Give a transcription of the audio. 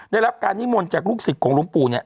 ได้รับการนิมนต์จากลูกศิษย์ของหลวงปู่เนี่ย